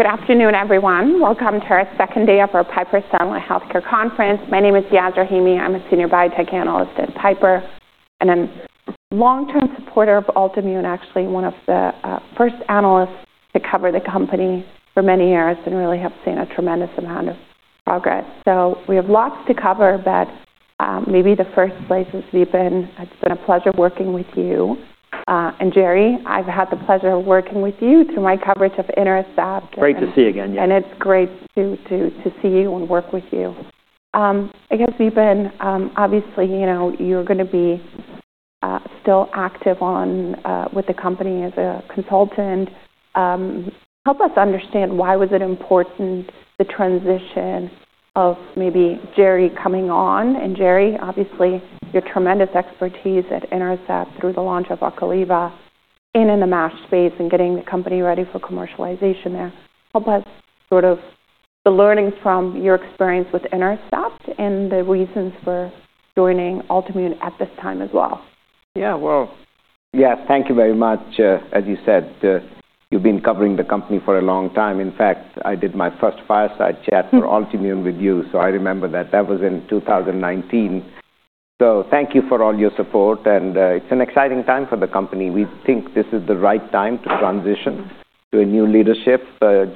Good afternoon, everyone. Welcome to our second day of our Piper Sandler Healthcare Conference. My name is Yas Rahimi. I'm a senior biotech analyst at Piper, and I'm a long-term supporter of Altimmune, actually one of the first analysts to cover the company for many years and really have seen a tremendous amount of progress. So we have lots to cover, but maybe the first place is Vipin. It's been a pleasure working with you. And Jerry, I've had the pleasure of working with you through my coverage of Intercept. Great to see you again, Yaz. It's great to see you and work with you. I guess Vipin, obviously, you're going to be still active with the company as a consultant. Help us understand why was it important, the transition of maybe Jerry coming on. And Jerry, obviously, your tremendous expertise at Intercept through the launch of Ocaliva and in the MASH space and getting the company ready for commercialization there. Help us sort of the learnings from your experience with Intercept and the reasons for joining Altimmune at this time as well. Yeah, well, yeah, thank you very much. As you said, you've been covering the company for a long time. In fact, I did my first fireside chat for Altimmune with you, so I remember that. That was in 2019. So thank you for all your support, and it's an exciting time for the company. We think this is the right time to transition to a new leadership.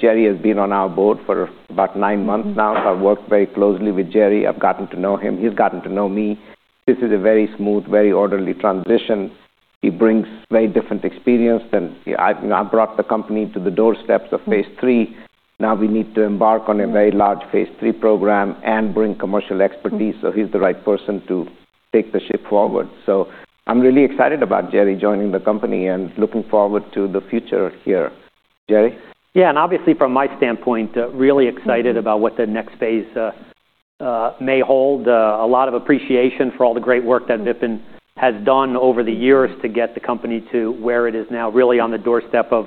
Jerry has been on our board for about nine months now, so I've worked very closely with Jerry. I've gotten to know him. He's gotten to know me. This is a very smooth, very orderly transition. He brings very different experience, and I brought the company to the doorsteps of phase III. Now we need to embark on a very large phase III program and bring commercial expertise, so he's the right person to take the ship forward. So I'm really excited about Jerry joining the company and looking forward to the future here. Jerry? Yeah, and obviously from my standpoint, really excited about what the next phase may hold. A lot of appreciation for all the great work that Vipin has done over the years to get the company to where it is now, really on the doorstep of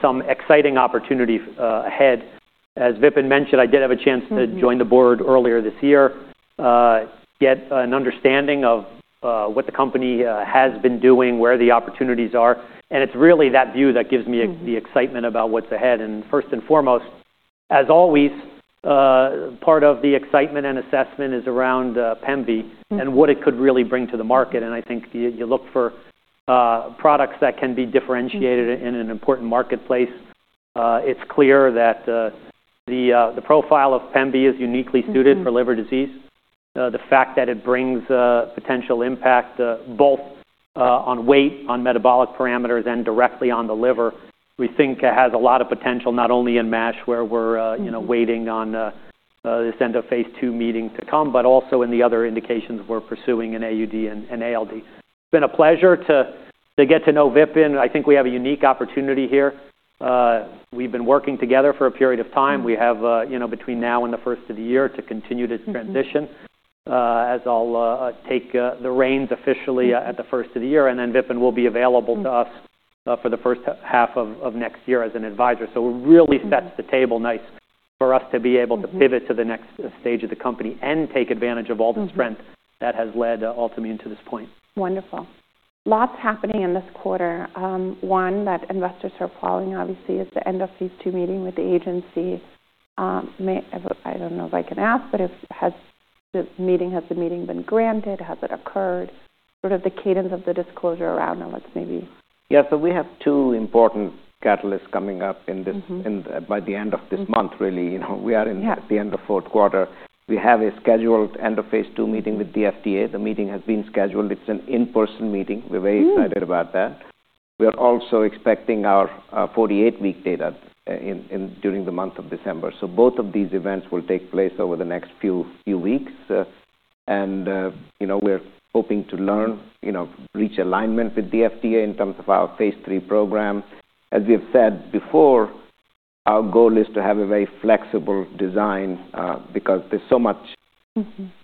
some exciting opportunity ahead. As Vipin mentioned, I did have a chance to join the board earlier this year, get an understanding of what the company has been doing, where the opportunities are. And it's really that view that gives me the excitement about what's ahead. And first and foremost, as always, part of the excitement and assessment is around pemvi and what it could really bring to the market. And I think you look for products that can be differentiated in an important marketplace. It's clear that the profile of pemvi is uniquely suited for liver disease. The fact that it brings potential impact both on weight, on metabolic parameters, and directly on the liver, we think has a lot of potential not only in MASH, where we're waiting on this end of phase II meeting to come, but also in the other indications we're pursuing in AUD and ALD. It's been a pleasure to get to know Vipin. I think we have a unique opportunity here. We've been working together for a period of time. We have between now and the first of the year to continue this transition, as I'll take the reins officially at the first of the year, and then Vipin will be available to us for the first half of next year as an advisor. So it really sets the table nice for us to be able to pivot to the next stage of the company and take advantage of all the strength that has led Altimmune to this point. Wonderful. Lots happening in this quarter. One, that investors are following, obviously, is the end of phase II meeting with the agency. I don't know if I can ask, but has the meeting been granted? Has it occurred? Sort of the cadence of the disclosure around it, let's maybe. Yeah, so we have two important catalysts coming up by the end of this month, really. We are at the end of fourth quarter. We have a scheduled end of phase II meeting with the FDA. The meeting has been scheduled. It's an in-person meeting. We're very excited about that. We are also expecting our 48-week data during the month of December. So both of these events will take place over the next few weeks. And we're hoping to learn, reach alignment with the FDA in terms of our phase III program. As we have said before, our goal is to have a very flexible design because there's so much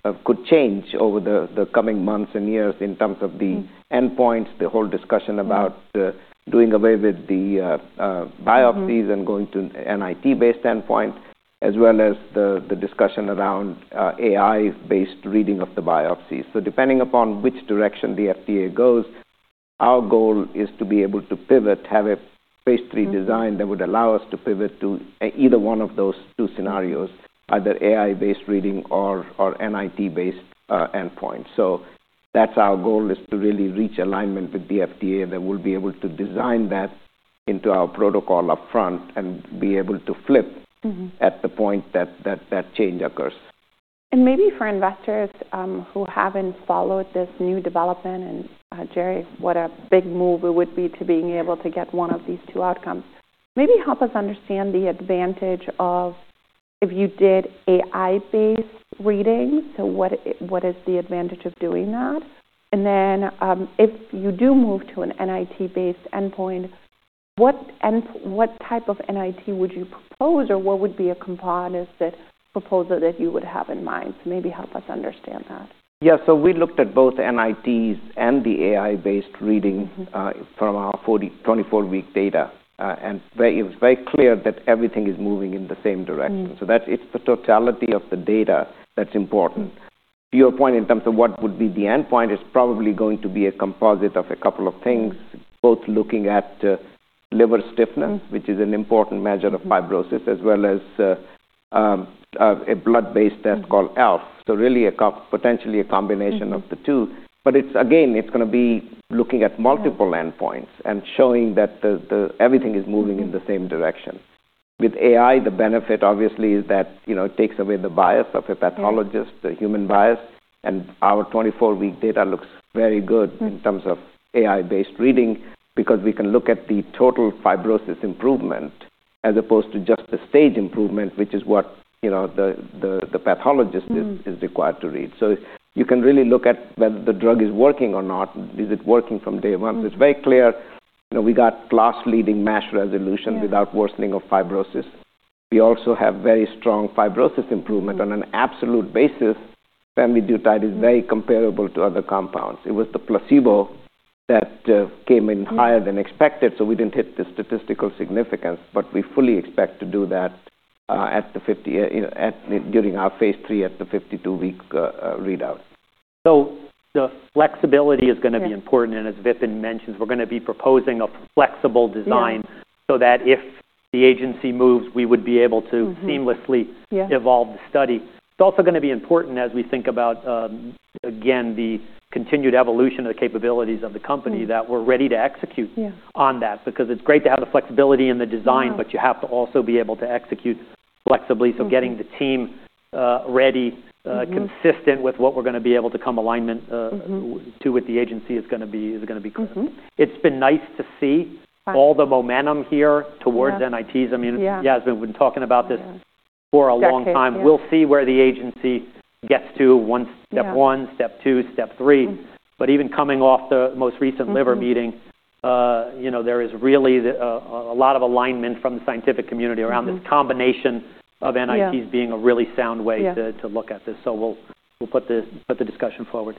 that could change over the coming months and years in terms of the endpoints, the whole discussion about doing away with the biopsies and going to an NIT-based endpoint, as well as the discussion around AI-based reading of the biopsies. So depending upon which direction the FDA goes, our goal is to be able to pivot, have a phase III design that would allow us to pivot to either one of those two scenarios, either AI-based reading or NIT-based endpoint. So that's our goal, is to really reach alignment with the FDA that we'll be able to design that into our protocol upfront and be able to flip at the point that that change occurs. And maybe for investors who haven't followed this new development, and Jerry, what a big move it would be to being able to get one of these two outcomes. Maybe help us understand the advantage of if you did AI-based reading, so what is the advantage of doing that? And then if you do move to an NIT-based endpoint, what type of NIT would you propose or what would be a compliance proposal that you would have in mind? So maybe help us understand that. Yeah, so we looked at both NITs and the AI-based reading from our 24-week data, and it was very clear that everything is moving in the same direction. So it's the totality of the data that's important. To your point, in terms of what would be the endpoint, it's probably going to be a composite of a couple of things, both looking at liver stiffness, which is an important measure of fibrosis, as well as a blood-based test called ELF. So really, potentially a combination of the two. But again, it's going to be looking at multiple endpoints and showing that everything is moving in the same direction. With AI, the benefit, obviously, is that it takes away the bias of a pathologist, the human bias, and our 24-week data looks very good in terms of AI-based reading because we can look at the total fibrosis improvement as opposed to just the stage improvement, which is what the pathologist is required to read. So you can really look at whether the drug is working or not. Is it working from day one? It's very clear. We got class-leading MASH resolution without worsening of fibrosis. We also have very strong fibrosis improvement on an absolute basis. Pemvidutide is very comparable to other compounds. It was the placebo that came in higher than expected, so we didn't hit the statistical significance, but we fully expect to do that during our phase III at the 52-week readout. The flexibility is going to be important. And as Vipin mentioned, we're going to be proposing a flexible design so that if the agency moves, we would be able to seamlessly evolve the study. It's also going to be important as we think about, again, the continued evolution of the capabilities of the company that we're ready to execute on that because it's great to have the flexibility in the design, but you have to also be able to execute flexibly. So getting the team ready, consistent with what we're going to be able to come to alignment with the agency is going to be crucial. It's been nice to see all the momentum here towards NITs. I mean, Yaz, we've been talking about this for a long time. We'll see where the agency gets to, step one, step two, step three. But even coming off the most recent liver meeting, there is really a lot of alignment from the scientific community around this combination of NITs being a really sound way to look at this. So we'll put the discussion forward.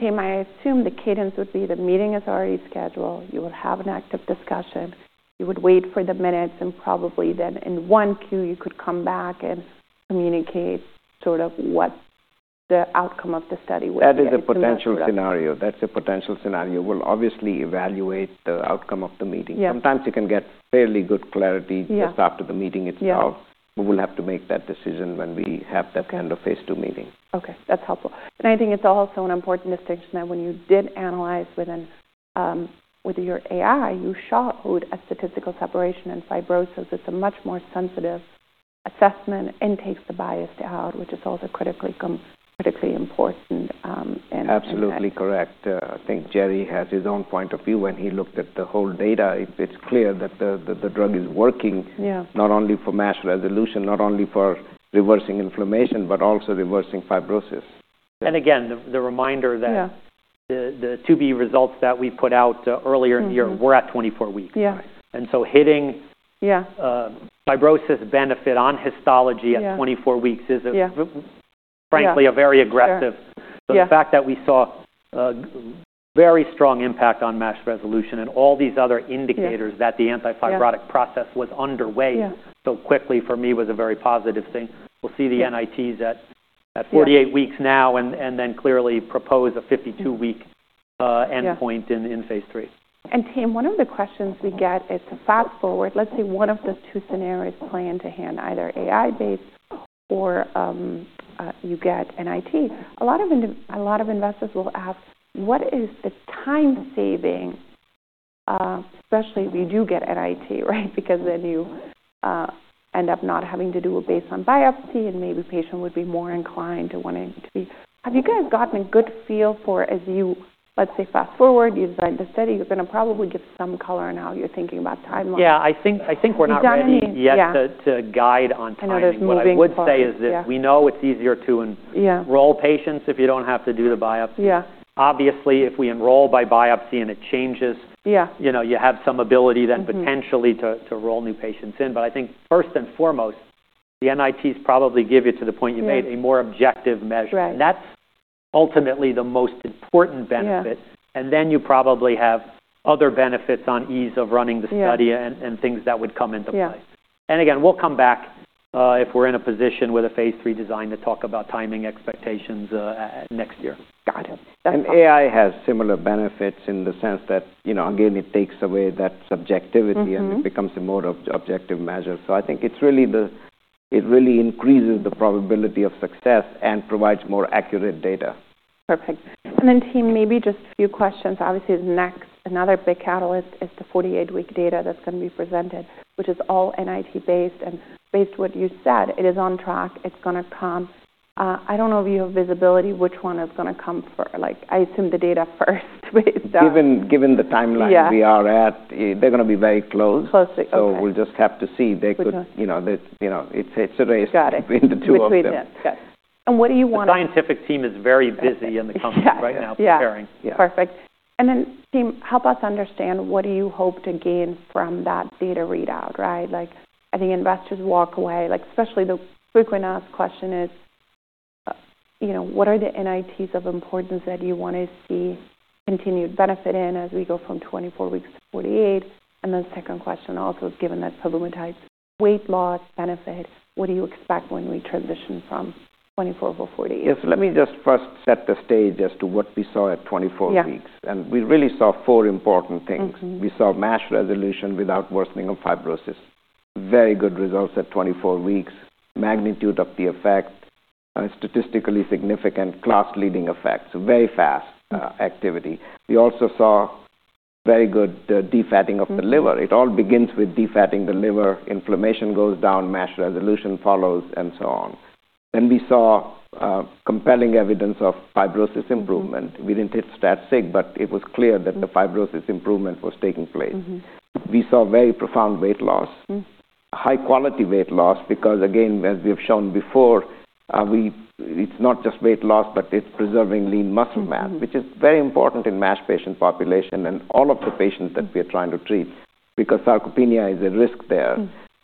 Tim, I assume the cadence would be the meeting is already scheduled. You will have an active discussion. You would wait for the minutes, and probably then in one queue, you could come back and communicate sort of what the outcome of the study would be. That is a potential scenario. That's a potential scenario. We'll obviously evaluate the outcome of the meeting. Sometimes you can get fairly good clarity just after the meeting itself, but we'll have to make that decision when we have that kind of phase II meeting. Okay, that's helpful. And I think it's also an important distinction that when you did analyze with your AI, you showed a statistical separation in fibrosis. It's a much more sensitive assessment and takes the bias out, which is also critically important. Absolutely correct. I think Jerry has his own point of view when he looked at the whole data. It's clear that the drug is working not only for MASH resolution, not only for reversing inflammation, but also reversing fibrosis. And again, the reminder that the two-week results that we put out earlier in the year, we're at 24 weeks. And so hitting fibrosis benefit on histology at 24 weeks is, frankly, a very aggressive. So the fact that we saw a very strong impact on MASH resolution and all these other indicators that the anti-fibrotic process was underway so quickly for me was a very positive thing. We'll see the NITs at 48 weeks now and then clearly propose a 52-week endpoint in phase III. Tim, one of the questions we get is to fast forward. Let's say one of the two scenarios play into hand, either AI-based or you get NIT. A lot of investors will ask, what is the time saving, especially if you do get NIT, right? Because then you end up not having to do a baseline biopsy, and maybe the patient would be more inclined to wanting to be. Have you guys gotten a good feel for, as you, let's say, fast forward, you've done the study, you're going to probably give some color on how you're thinking about timelines? Yeah, I think we're not ready yet to guide on time. there's moving forward. What I would say is that we know it's easier to enroll patients if you don't have to do the biopsy. Obviously, if we enroll by biopsy and it changes, you have some ability then potentially to roll new patients in. But I think first and foremost, the NITs probably give you, to the point you made, a more objective measure. And that's ultimately the most important benefit. And then you probably have other benefits on ease of running the study and things that would come into play, and again, we'll come back if we're in a position with a phase III design to talk about timing expectations next year. And AI has similar benefits in the sense that, again, it takes away that subjectivity and it becomes a more objective measure. So I think it really increases the probability of success and provides more accurate data. Perfect. And then Tim, maybe just a few questions. Obviously, the next, another big catalyst is the 48-week data that's going to be presented, which is all NIT-based. And based on what you said, it is on track. It's going to come. I don't know if you have visibility which one is going to come first. I assume the data first. Given the timeline we are at, they're going to be very close. So we'll just have to see. It's a race between the two of us. And what do you want? The scientific team is very busy in the company right now preparing. Perfect, and then Tim, help us understand what do you hope to gain from that data readout, right? I think investors walk away. Especially the frequently asked question is, what are the NITs of importance that you want to see continued benefit in as we go from 24 weeks to 48? And then the second question also, given that promising weight loss benefit, what do you expect when we transition from 24 to 48? Yes, let me just first set the stage as to what we saw at 24 weeks. And we really saw four important things. We saw MASH resolution without worsening of fibrosis. Very good results at 24 weeks. Magnitude of the effect, statistically significant, class-leading effects. Very fast activity. We also saw very good defatting of the liver. It all begins with defatting the liver. Inflammation goes down, MASH resolution follows, and so on. Then we saw compelling evidence of fibrosis improvement. We didn't hit stats, but it was clear that the fibrosis improvement was taking place. We saw very profound weight loss, high-quality weight loss because, again, as we have shown before, it's not just weight loss, but it's preserving lean muscle mass, which is very important in MASH patient population and all of the patients that we are trying to treat because sarcopenia is a risk there.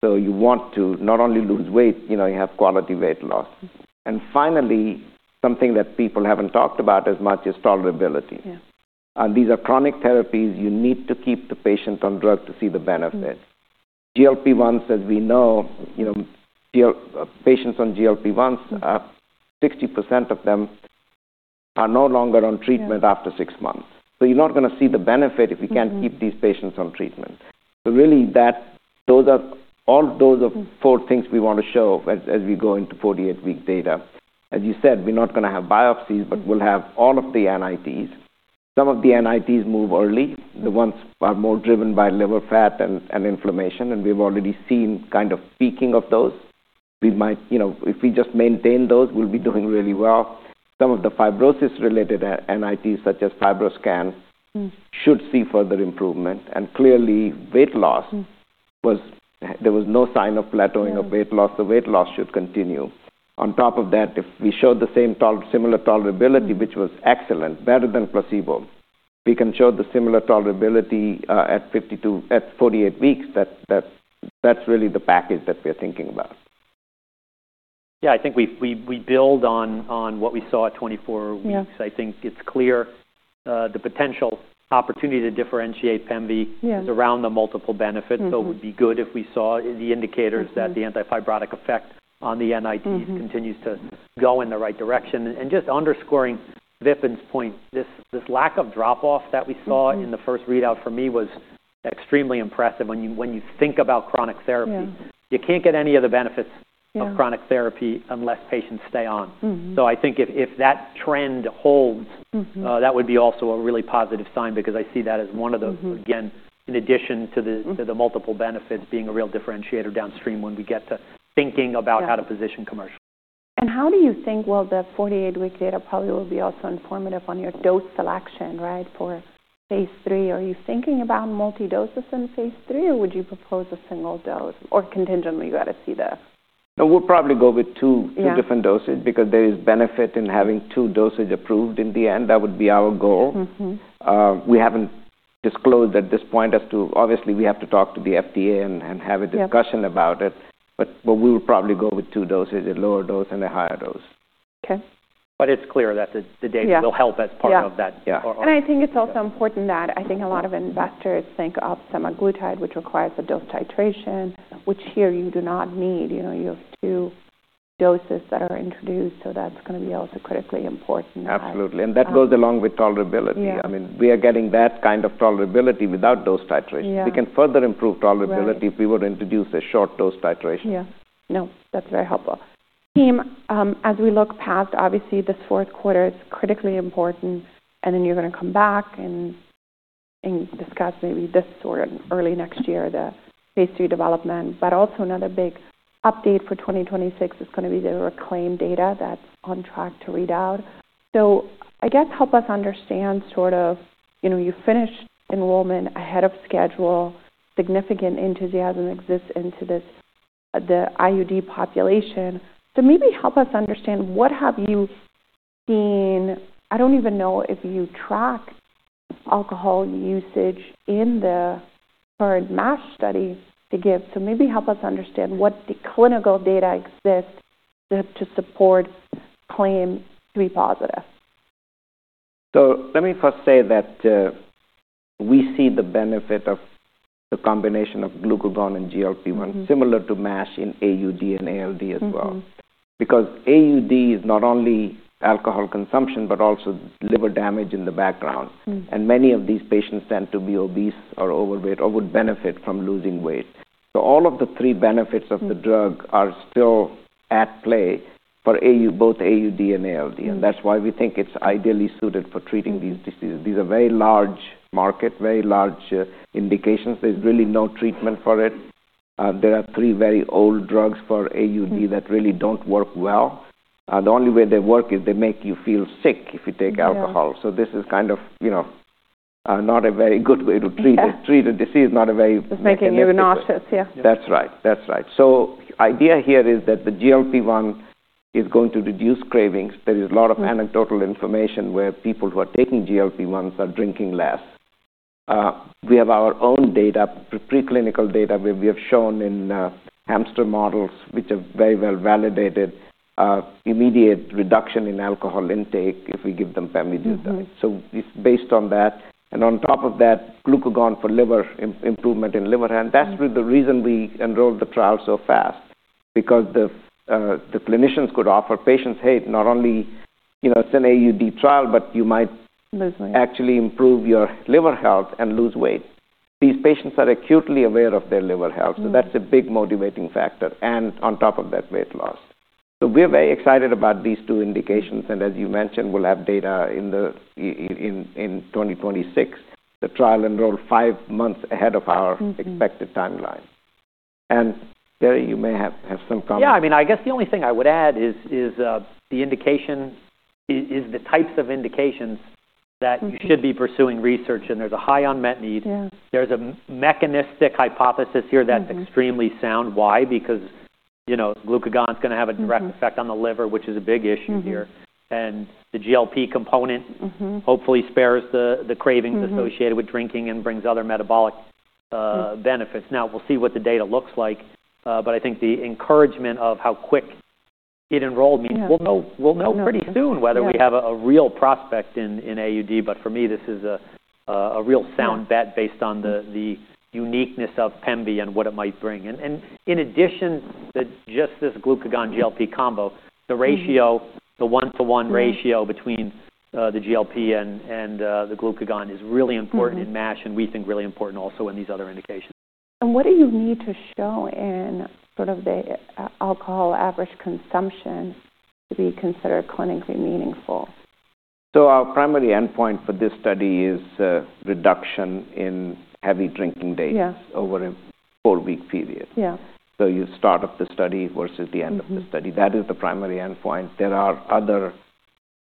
You want to not only lose weight, you have quality weight loss. And finally, something that people haven't talked about as much is tolerability. These are chronic therapies. You need to keep the patient on drug to see the benefit. GLP-1s, as we know, patients on GLP-1s, 60% of them are no longer on treatment after six months. So you're not going to see the benefit if we can't keep these patients on treatment. So really, all those are four things we want to show as we go into 48-week data. As you said, we're not going to have biopsies, but we'll have all of the NITs. Some of the NITs move early. The ones are more driven by liver fat and inflammation, and we've already seen kind of peaking of those. If we just maintain those, we'll be doing really well. Some of the fibrosis-related NITs, such as FibroScan, should see further improvement, and clearly, weight loss, there was no sign of plateauing of weight loss. The weight loss should continue. On top of that, if we showed the same similar tolerability, which was excellent, better than placebo, we can show the similar tolerability at 48 weeks. That's really the package that we're thinking about. Yeah, I think we build on what we saw at 24 weeks. I think it's clear the potential opportunity to differentiate pemvidutide is around the multiple benefits, so it would be good if we saw the indicators that the anti-fibrotic effect on the NITs continues to go in the right direction, and just underscoring Vipin's point, this lack of drop-off that we saw in the first readout for me was extremely impressive when you think about chronic therapy. You can't get any of the benefits of chronic therapy unless patients stay on, so I think if that trend holds, that would be also a really positive sign because I see that as one of the, again, in addition to the multiple benefits being a real differentiator downstream when we get to thinking about how to position commercial. How do you think the 48-week data probably will be also informative on your dose selection, right, for phase III? Are you thinking about multi-doses in phase III, or would you propose a single dose? Or contingently, you got to see this. We'll probably go with two different doses because there is benefit in having two doses approved in the end. That would be our goal. We haven't disclosed at this point as to, obviously, we have to talk to the FDA and have a discussion about it. But we will probably go with two doses, a lower dose and a higher dose. But it's clear that the data will help as part of that. And I think it's also important that I think a lot of investors think of semaglutide, which requires a dose titration, which here you do not need. You have two doses that are introduced, so that's going to be also critically important. Absolutely. And that goes along with tolerability. I mean, we are getting that kind of tolerability without dose titration. We can further improve tolerability if we were to introduce a short dose titration. Yeah. No, that's very helpful. Tim, as we look past, obviously, this fourth quarter is critically important, and then you're going to come back and discuss maybe this sort of early next year, the phase III development. But also another big update for 2026 is going to be the phase III data that's on track to readout. So I guess help us understand sort of you finished enrollment ahead of schedule. Significant enthusiasm exists in the AUD population. So maybe help us understand what have you seen? I don't even know if you track alcohol usage in the current MASH study to give. So maybe help us understand what clinical data exists to support pemvidutide to be positive. So let me first say that we see the benefit of the combination of glucagon and GLP-1, similar to MASH in AUD and ALD as well. Because AUD is not only alcohol consumption, but also liver damage in the background. And many of these patients tend to be obese or overweight or would benefit from losing weight. So all of the three benefits of the drug are still at play for both AUD and ALD. And that's why we think it's ideally suited for treating these diseases. These are very large market, very large indications. There's really no treatment for it. There are three very old drugs for AUD that really don't work well. The only way they work is they make you feel sick if you take alcohol. So this is kind of not a very good way to treat a disease, not a very good way. It's making you nauseous. Yeah. That's right. That's right. So the idea here is that the GLP-1 is going to reduce cravings. There is a lot of anecdotal information where people who are taking GLP-1s are drinking less. We have our own data, preclinical data where we have shown in hamster models, which are very well validated, immediate reduction in alcohol intake if we give them pemvidutide. So it's based on that. And on top of that, glucagon for liver improvement in liver and that's the reason we enrolled the trial so fast. Because the clinicians could offer patients, "Hey, not only it's an AUD trial, but you might actually improve your liver health and lose weight." These patients are acutely aware of their liver health. So that's a big motivating factor. And on top of that, weight loss. So we're very excited about these two indications. As you mentioned, we'll have data in 2026. The trial enrolled five months ahead of our expected timeline. Jerry, you may have some comments. Yeah, I mean, I guess the only thing I would add is the indication is the types of indications that you should be pursuing research. And there's a high unmet need. There's a mechanistic hypothesis here that's extremely sound. Why? Because glucagon is going to have a direct effect on the liver, which is a big issue here. And the GLP component hopefully spares the cravings associated with drinking and brings other metabolic benefits. Now, we'll see what the data looks like. But I think the encouragement of how quick it enrolled means we'll know pretty soon whether we have a real prospect in AUD. But for me, this is a real sound bet based on the uniqueness of pemvidutide and what it might bring. And in addition, just this glucagon-GLP combo, the ratio, the one-to-one ratio between the GLP and the glucagon is really important in MASH and we think really important also in these other indications. What do you need to show in sort of the alcohol average consumption to be considered clinically meaningful? So our primary endpoint for this study is reduction in heavy drinking days over a four-week period. So you start off the study versus the end of the study. That is the primary endpoint. There are other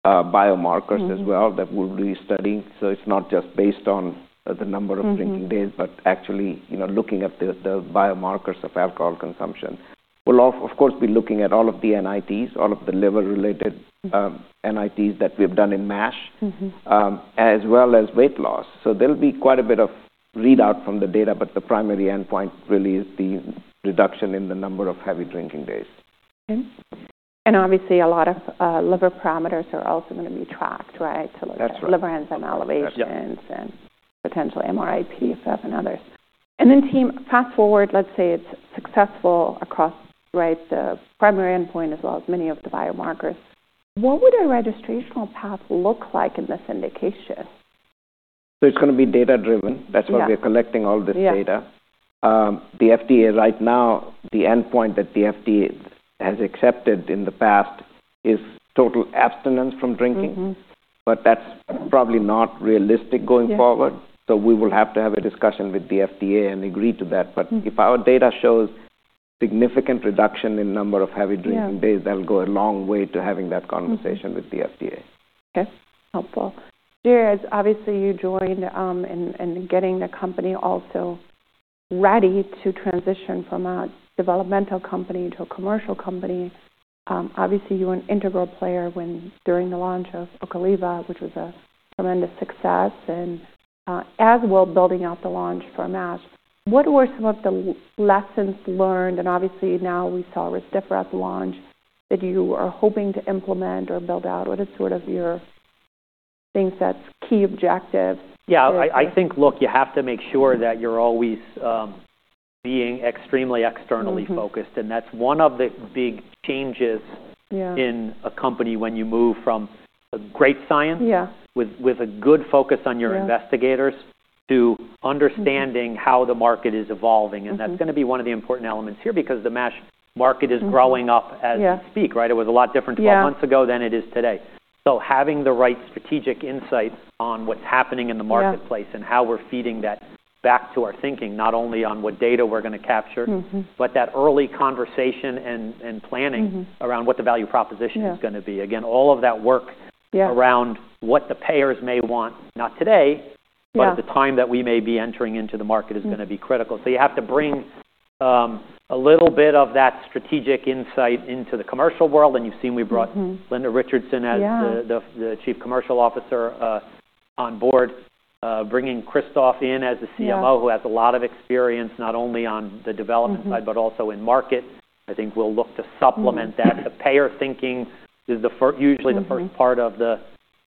biomarkers as well that we'll be studying. So it's not just based on the number of drinking days, but actually looking at the biomarkers of alcohol consumption. We'll, of course, be looking at all of the NITs, all of the liver-related NITs that we've done in MASH, as well as weight loss. So there'll be quite a bit of readout from the data, but the primary endpoint really is the reduction in the number of heavy drinking days. And obviously, a lot of liver parameters are also going to be tracked, right, to look at liver enzyme elevations and potential MRIP and others. And then Tim, fast forward, let's say it's successful across the primary endpoint as well as many of the biomarkers. What would a registrational path look like in this indication? So it's going to be data-driven. That's why we're collecting all this data. The FDA right now, the endpoint that the FDA has accepted in the past is total abstinence from drinking, but that's probably not realistic going forward. So we will have to have a discussion with the FDA and agree to that. But if our data shows significant reduction in number of heavy drinking days, that'll go a long way to having that conversation with the FDA. Okay. Helpful. Jerry, obviously, you joined in getting the company also ready to transition from a developmental company to a commercial company. Obviously, you were an integral player during the launch of Ocaliva, which was a tremendous success, and as well building out the launch for MASH. What were some of the lessons learned? And obviously, now we saw Rezdiffra at the launch that you are hoping to implement or build out. What are sort of your things that's key objectives? Yeah. I think, look, you have to make sure that you're always being extremely externally focused, and that's one of the big changes in a company when you move from a great science with a good focus on your investigators to understanding how the market is evolving, and that's going to be one of the important elements here because the MASH market is growing up as we speak, right? It was a lot different 12 months ago than it is today, so having the right strategic insights on what's happening in the marketplace and how we're feeding that back to our thinking, not only on what data we're going to capture, but that early conversation and planning around what the value proposition is going to be. Again, all of that work around what the payers may want, not today, but the time that we may be entering into the market is going to be critical. So you have to bring a little bit of that strategic insight into the commercial world. And you've seen we brought Linda Richardson as the Chief Commercial Officer on board, bringing Christophe in as the CMO, who has a lot of experience not only on the development side, but also in market. I think we'll look to supplement that. The payer thinking is usually the first part of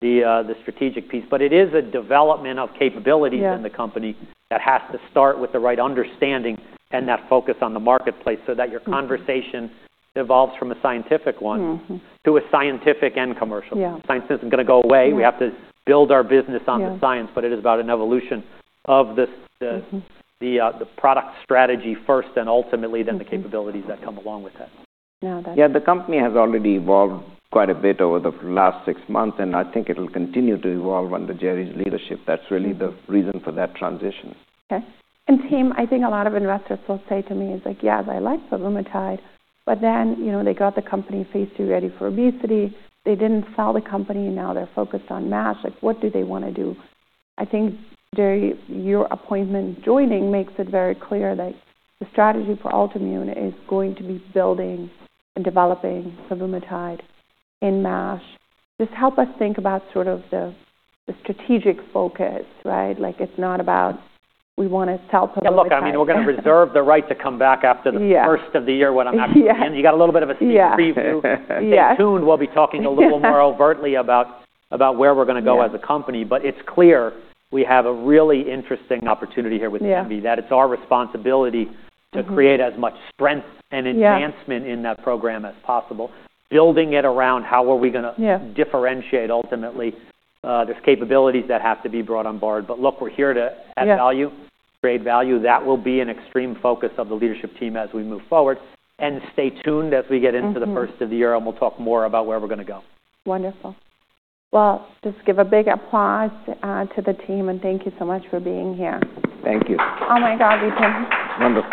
the strategic piece. But it is a development of capabilities in the company that has to start with the right understanding and that focus on the marketplace so that your conversation evolves from a scientific one to a scientific and commercial. Science isn't going to go away. We have to build our business on the science, but it is about an evolution of the product strategy first and ultimately then the capabilities that come along with that. Yeah, the company has already evolved quite a bit over the last six months, and I think it'll continue to evolve under Jerry's leadership. That's really the reason for that transition. Okay. And Tim, I think a lot of investors will say to me, it's like, "Yeah, I like semaglutide," but then they got the company phase III ready for obesity. They didn't sell the company. Now they're focused on MASH. What do they want to do? I think, Jerry, your appointment joining makes it very clear that the strategy for Altimmune is going to be building and developing semaglutide in MASH. Just help us think about sort of the strategic focus, right? It's not about we want to sell. Yeah, look, I mean, we're going to reserve the right to come back after the first of the year when I'm actually in. You got a little bit of a sneak preview. If you stay tuned, we'll be talking a little more overtly about where we're going to go as a company. But it's clear we have a really interesting opportunity here with Pemvi that it's our responsibility to create as much strength and enhancement in that program as possible, building it around how are we going to differentiate ultimately. There's capabilities that have to be brought on board. But look, we're here to add value, create value. That will be an extreme focus of the leadership team as we move forward, and stay tuned as we get into the first of the year, and we'll talk more about where we're going to go. Wonderful. Well, just give a big applause to the team, and thank you so much for being here. Thank you. Oh my God, we've been. Wonderful.